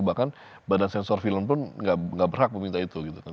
bahkan badan sensor film pun tidak ada